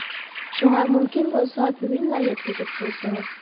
شۇڭا مۇمكىن بولسا بۈگۈنلا يەتكۈزۈپ قويسىڭىز.